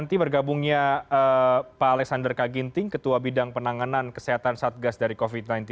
nanti bergabungnya pak alexander kaginting ketua bidang penanganan kesehatan satgas dari covid sembilan belas